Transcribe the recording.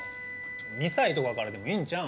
２歳とかからでもいいんちゃうん？